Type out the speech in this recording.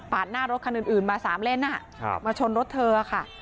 หน้ารถคันอื่นมา๓เลนมาชนรถเธอค่ะ